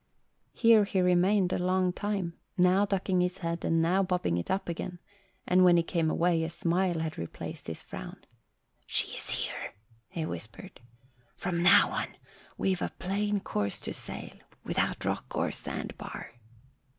Here he remained a long time, now ducking his head and now bobbing it up again, and when he came away a smile had replaced his frown. "She's here," he whispered. "From now on we've a plain course to sail, without rock or sandbar."